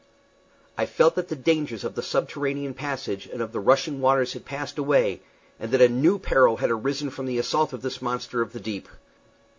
I felt that the dangers of the subterranean passage and of the rushing waters had passed away, and that a new peril had arisen from the assault of this monster of the deep.